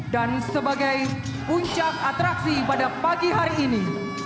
dan sebagai puncak atraksi pada pagi hari ini